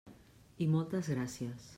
I moltes gràcies.